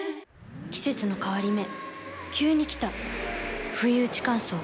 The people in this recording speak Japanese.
季節の変わり目急に来たふいうち乾燥。